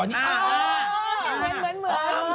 เหมือนอยู่